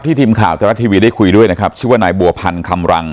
ทีมข่าวไทยรัฐทีวีได้คุยด้วยนะครับชื่อว่านายบัวพันธ์คำรัง